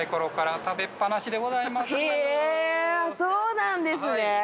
へぇそうなんですね。